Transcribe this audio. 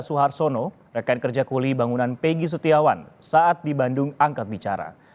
suharsono rekan kerja kuli bangunan peggy setiawan saat di bandung angkat bicara